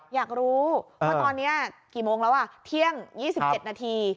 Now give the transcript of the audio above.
อยากรู้ว่าตอนนี้กี่โมงแล้วเที่ยง๒๗นาที